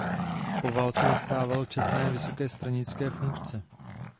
Po válce zastával četné vysoké stranické funkce.